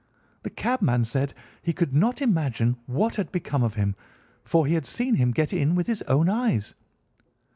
The cabman said that he could not imagine what had become of him, for he had seen him get in with his own eyes.